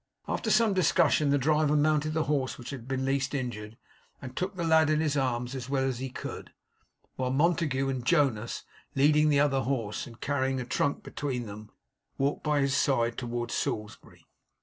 After some discussion the driver mounted the horse which had been least injured, and took the lad in his arms as well as he could; while Montague and Jonas, leading the other horse, and carrying a trunk between them, walked by his side towards Salisbury.